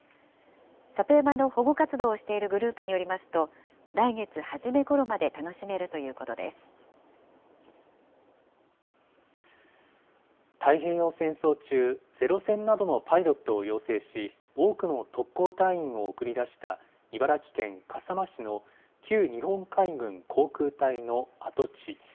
里山の保護活動をしているグループによりますと、来月初めごろま太平洋戦争中、ゼロ戦などのパイロットを養成し、多くの特攻隊員を送り出した、茨城県笠間市の旧日本海軍航空隊の跡地。